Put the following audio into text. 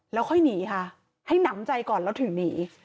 แล้วค่อยหนีค่ะให้หนำใจก่อนแล้วถึงหนี